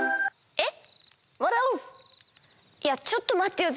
えっ？